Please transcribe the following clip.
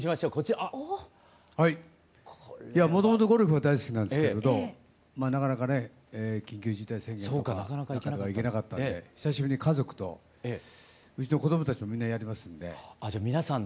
もともとゴルフは大好きなんですけれどまあなかなかね緊急事態宣言とかなかなか行けなかったんで久しぶりに家族と子どもたちもみんなやりますんで。